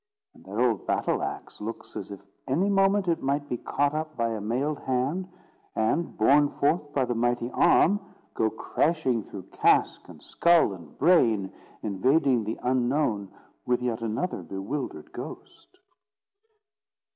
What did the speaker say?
And that old battle axe looks as if any moment it might be caught up by a mailed hand, and, borne forth by the mighty arm, go crashing through casque, and skull, and brain, invading the Unknown with yet another bewildered ghost.